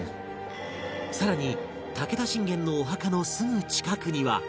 さらに武田信玄のお墓のすぐ近くには